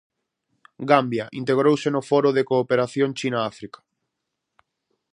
Gambia integrouse no Foro de Cooperación China-África.